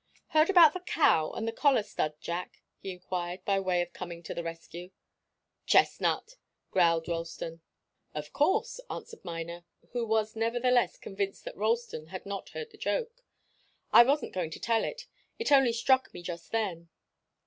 "Heard about the cow and the collar stud, Jack?" he enquired, by way of coming to the rescue. "Chestnut!" growled Ralston. "Of course," answered Miner, who was nevertheless convinced that Ralston had not heard the joke. "I wasn't going to tell it. It only struck me just then."